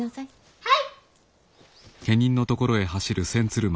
はい。